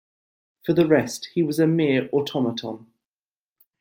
For the rest, he was a mere automaton.